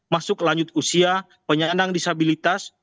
masuk lanjut usia penyandang disabilitas